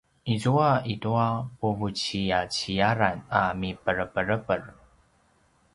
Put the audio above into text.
izua i tua puvuciyaciyaran a miperepereper